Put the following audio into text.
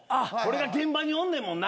現場におんねんもんな。